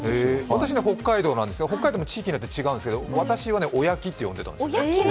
私、北海道なんですが、北海道も地域によって違うんですが私はお焼きって呼んでたんです。